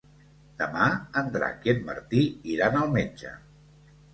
Demà en Drac i en Martí iran al metge.